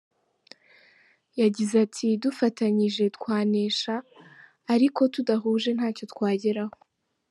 Yagize ati, “dufatanyije twanesha ariko tudahuje ntacyo twageraho.